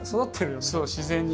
そう自然に。